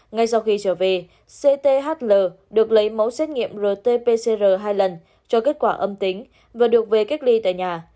ngay sau khi trở về cthl được lấy mẫu xét nghiệm rt pcr hai lần cho kết quả âm tính và được về cách ly tại nhà